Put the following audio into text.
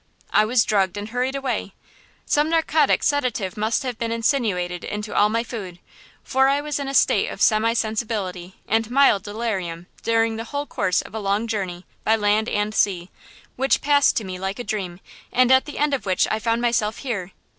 I was drugged and hurried away. Some narcotic sedative must have been insinuated into all my food, for I was in a state of semi sensibility and mild delirium during the whole course of a long journey by land and sea, which passed to me like a dream, and at the end of which I found myself here.